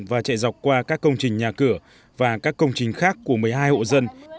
và chạy dọc qua các công trình nhà cửa và các công trình khác của một mươi hai hộ dân